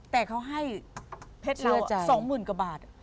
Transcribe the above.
แต่เขาให้เพชรเรือ๒๐๐๐กว่าบาท